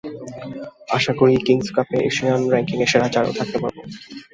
আশা করি, Kings Cup শেষে Asian র্যাঙ্কিংয়ে সেরা চারেও থাকতে পারব।